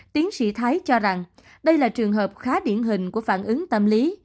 tiến sĩ thái cho rằng đây là trường hợp khá điển hình của phản ứng tâm lý